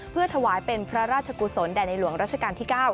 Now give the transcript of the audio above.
เพื่อถวายเป็นพระราชกุศลแด่ในหลวงรัชกาลที่๙